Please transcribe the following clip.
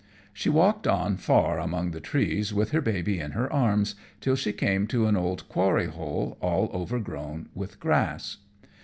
She walked on far among the trees, with her baby in her arms, till she came to an old quarry hole all over grown with grass.